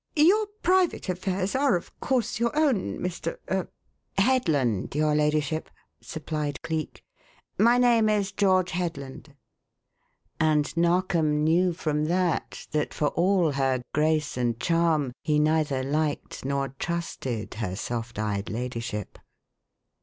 Your private affairs are of course your own, Mr. er " "Headland, your ladyship," supplied Cleek. "My name is George Headland!" And Narkom knew from that that for all her grace and charm he neither liked nor trusted her soft eyed ladyship.